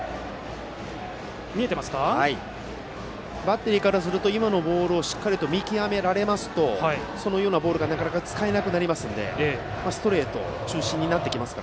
バッテリーからすると今のボールをしっかりと見極められますとそのようなボールがなかなか使えなくなるのでストレート中心になりますね。